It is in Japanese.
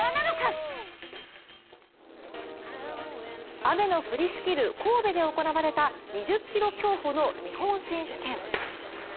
雨の降りしきる神戸で行われた２０ｋｍ競歩の日本選手権。